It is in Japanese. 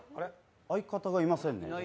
相方がいませんね。